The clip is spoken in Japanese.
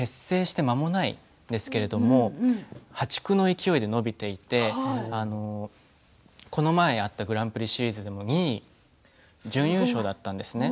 まだ結成してまもないんですけれど破竹の勢いで伸びていてこの前やったグランプリシリーズでも２位、準優勝だったんですね。